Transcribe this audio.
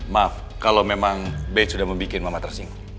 maaf kalau memang bed sudah membuat mama tersinggung